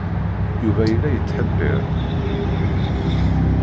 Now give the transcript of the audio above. Yuba yella yettḥebbiṛ.